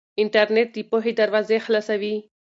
انټرنيټ د پوهې دروازې خلاصوي.